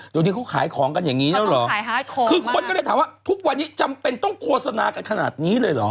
เดี๋ยวนี้เขาขายของกันอย่างนี้แล้วเหรอคือคนก็เลยถามว่าทุกวันนี้จำเป็นต้องโฆษณากันขนาดนี้เลยเหรอ